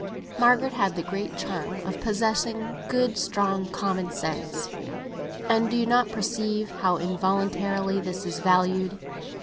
Margaret had the great charm of possessing good strong common sense, and do you not perceive how involuntarily this is valued?